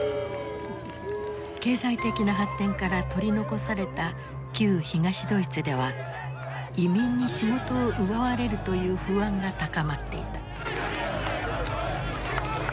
経済的な発展から取り残された旧東ドイツでは移民に仕事を奪われるという不安が高まっていた。